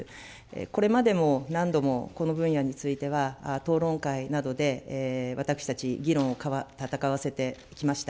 これまでも何度も、この分野については討論会などで私たち、議論を戦わせてきました。